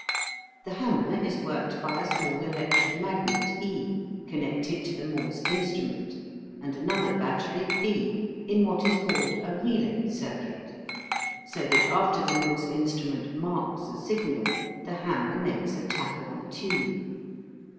The hammer is worked by a small electromagnet E, connected to the Morse instrument, and another battery b in what is called a "relay" circuit; so that after the Morse instrument marks a signal, the hammer makes a tap on the tube.